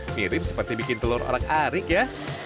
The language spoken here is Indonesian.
mirip seperti bikin telur orak arik ya